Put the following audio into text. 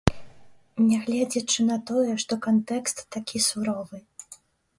Нягледзячы на тое, што кантэкст такі суровы.